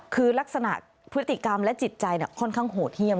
คือลักษณะพฤติกรรมและจิตใจค่อนข้างโหดเยี่ยม